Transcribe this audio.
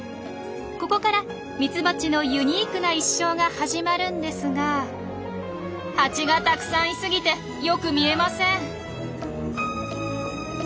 ここからミツバチのユニークな一生が始まるんですがハチがたくさんいすぎてよく見えません。